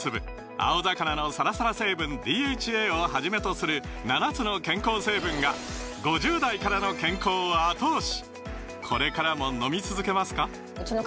青魚のサラサラ成分ＤＨＡをはじめとする７つの健康成分が５０代からの健康を後押し！